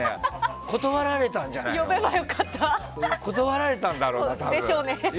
断られたんじゃないの。断られたんだろうな、多分。